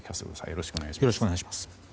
よろしくお願いします。